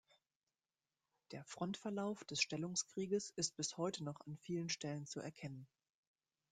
Der Frontverlauf des Stellungskrieges ist bis heute noch an vielen Stellen zu erkennen.